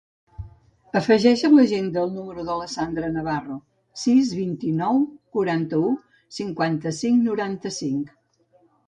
Afegeix a l'agenda el número de la Sandra Navarro: sis, vint-i-nou, quaranta-u, cinquanta-cinc, noranta-cinc.